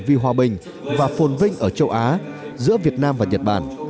vì hòa bình và phồn vinh ở châu á giữa việt nam và nhật bản